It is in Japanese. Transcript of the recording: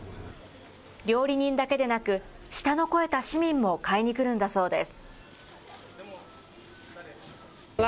料理人だけでなく、舌の肥えた市民も買いにくるんだそうです。